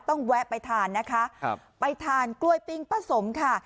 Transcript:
แวะไปทานนะคะครับไปทานกล้วยปิ้งป้าสมค่ะ